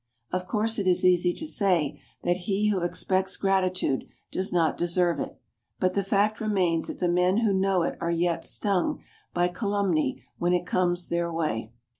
Of course it is easy to say that he who expects gratitude does not deserve it; but the fact remains that the men who know it are yet stung by calumny when it comes their way.